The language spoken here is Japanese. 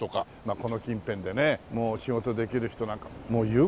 この近辺でねもう仕事できる人なんかもう言う事ないです